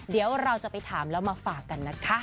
เดี๋ยวเราจะไปถามแล้วมาฝากกันนะคะ